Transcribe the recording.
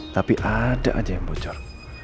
tapi ada aja yang bocor